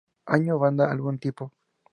Año Banda Álbum Tipo